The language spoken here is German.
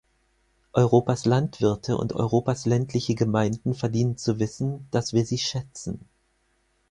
Europas Landwirte und Europas ländliche Gemeinden verdienen zu wissen, dass wir sie schätzen.